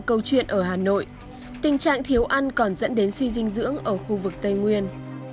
câu chuyện ở hà nội tình trạng thiếu ăn còn dẫn đến suy dinh dưỡng ở khu vực tây nguyên